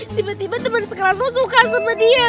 tiba tiba temen sekelas lo suka sama dia